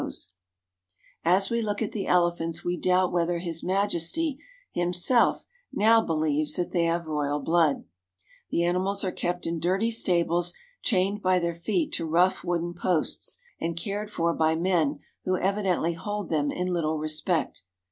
THE KING OF SIAM AND HIS GOVERNMENT 1 99 As we look at the elephants we doubt whether His Majesty himself now believes that they have royal blood. The animals are kept in dirty stables, chained by their feet to rough wooden posts, and cared for by men who evi dently hold them in little respect.